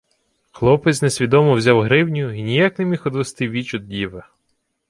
Хлопець несвідомо взяв гривню й ніяк не міг одвести віч од діви.